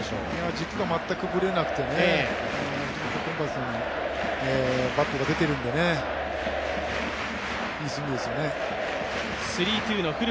軸は全くぶれなくて、コンパクトにバットが出ているんでね、いいスイングですよね。